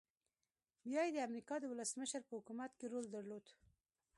بيا يې د امريکا د ولسمشر په حکومت کې رول درلود.